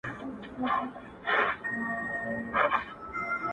o ولي مي هره شېبه ـ هر ساعت په غم نیسې ـ